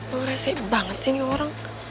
aduh resipi banget sih ini orang